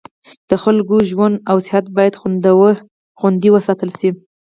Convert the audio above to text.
د خلکو ژوند او صحت باید خوندي وساتل شي.